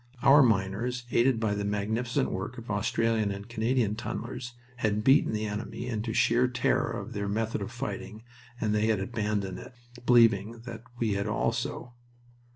Our miners, aided by the magnificent work of Australian and Canadian tunnelers, had beaten the enemy into sheer terror of their method of fighting and they had abandoned it, believing that we had also.